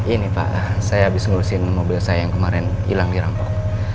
ini pak saya habis ngurusin mobil saya yang kemarin hilang di rampok